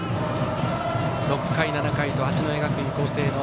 ６回、７回と八戸学院光星の